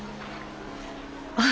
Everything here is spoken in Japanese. あ。